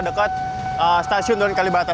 dekat stasiun duren kalibata